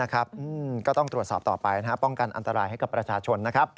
ก็ต้องตรวจสอบต่อไปป้องกันอันตรายให้กับประชาชนนะครับ